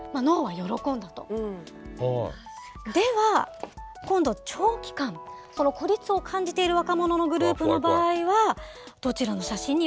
では今度は長期間孤立を感じている若者のグループの場合はどちらの写真に喜びを感じたか。